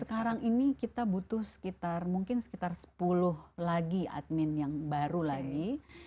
sekarang ini kita butuh sekitar mungkin sekitar sepuluh lagi admin yang baru lagi